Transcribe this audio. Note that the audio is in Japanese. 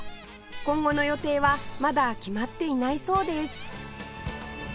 今後の予定はまだ決まっていないそうです